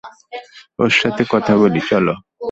ওর সাথে কথা বলি চলো।